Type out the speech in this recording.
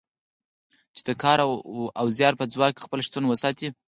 چې د کار او زیار په ځواک خپل شتون وساتي.